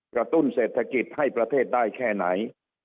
ตุ้นเศรษฐกิจให้ประเทศได้แค่ไหน